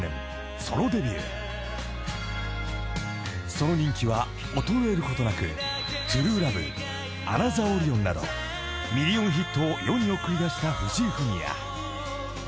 ［その人気は衰えることなく『ＴＲＵＥＬＯＶＥ』『ＡｎｏｔｈｅｒＯｒｉｏｎ』などミリオンヒットを世に送り出した藤井フミヤ］